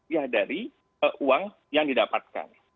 ya dari uang yang didapatkan